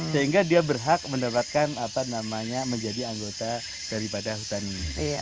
sehingga dia berhak mendapatkan apa namanya menjadi anggota daripada hutan ini